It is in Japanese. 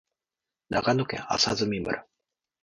長野県麻績村